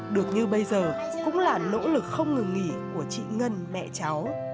được như bây giờ cũng là nỗ lực không ngừng nghỉ của chị ngân mẹ cháu